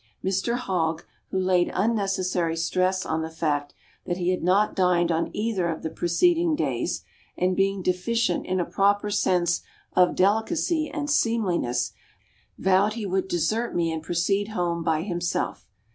Mr Hogg, who laid unnecessary stress on the fact that he had not dined on either of the preceding days, and being deficient in a proper sense of delicacy and seemliness, vowed he would desert me and proceed home by himself.